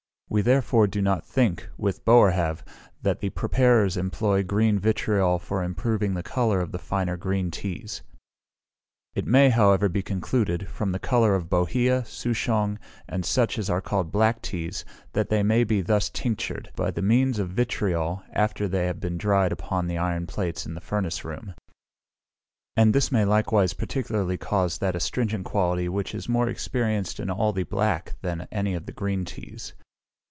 We therefore do not think with Boerhaave, that the preparers employ green vitriol for improving the colour of the finer green teas. It may however be concluded, from the colour of bohea, souchong, and such as are called black teas, that they may be thus tinctured, by the means of vitriol, after they have been dried upon the iron plates in the furnace room; and this may likewise particularly cause that astringent quality which is more experienced in all the black than any of the green teas.